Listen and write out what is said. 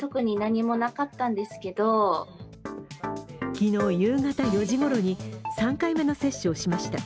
昨日夕方４時頃に３回目の接種をしました。